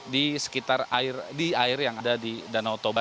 di sekitar air yang ada di danau toba